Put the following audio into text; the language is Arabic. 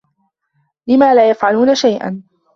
لم لا يفعلون شيئا؟